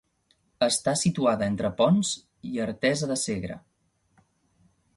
Està situada entre Ponts i Artesa de Segre.